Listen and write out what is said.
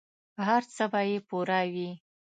هر څه به یې پوره وي.